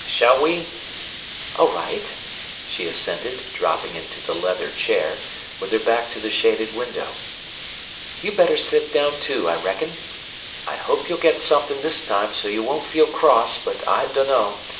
Shall we—" "All right," she assented, dropping into the leather chair, with her back to the shaded window. "You better set down, too, I reckon. I hope you'll get something this time so you won't feel cross, but I dunno.